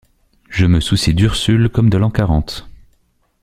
Je me soucie d’Ursule comme de l’an quarante.